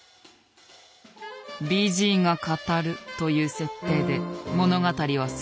「ＢＧが語る」という設定で物語は進む。